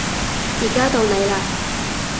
而家到你嘞